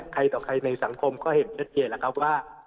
ใครต่อใครในสังคมก็เห็นชัดเจนแล้วครับว่า